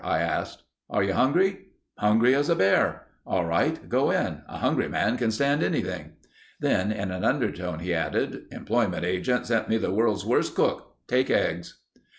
I asked. "Are you hungry?" "Hungry as a bear...." "All right. Go in. A hungry man can stand anything." Then in an undertone he added: "Employment agent sent me the world's worst cook. Take eggs."